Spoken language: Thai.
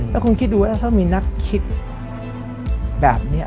แล้วคุณคิดดูว่าถ้ามีนักคิดแบบนี้